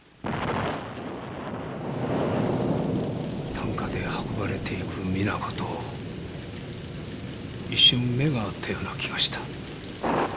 担架で運ばれていく実那子と一瞬目が合ったような気がした。